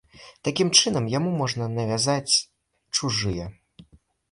Такім чынам, яму можна навязаць чужыя.